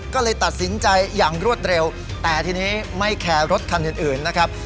ก็เลยตัดสินใจอย่างรวดเร็วแต่ทีนี้ไม่แคร์รถคันอื่นนะครับ